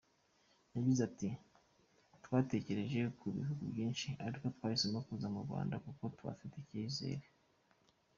Yagize ati “Twatekereje ku bihugu byinshi ariko twahisemo kuza mu Rwanda kuko tuhafitiye icyizere.